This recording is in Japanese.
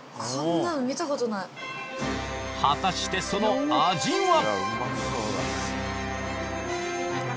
果たしてその味は？